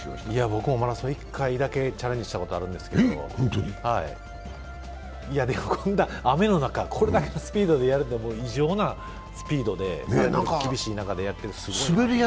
僕もマラソン、１回だけチャレンジしたことがあるんですけど、でも、こんな雨の中、これだけのスピードでやるというのは、異常なスピードで、厳しい中でやっていて。